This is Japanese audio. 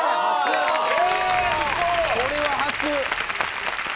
これは初！